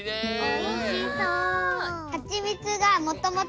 おいしそう！